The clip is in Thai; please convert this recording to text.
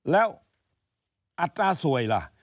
แล้วอัตราสวยล่ะ